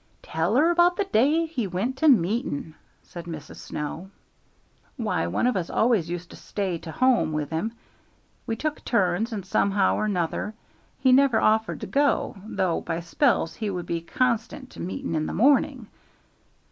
"Tell her about that day he went to meeting," said Mrs. Snow. "Why, one of us always used to stay to home with him; we took turns; and somehow or 'nother he never offered to go, though by spells he would be constant to meeting in the morning.